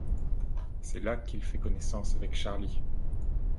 C'est là qu'il fait connaissance avec Charly.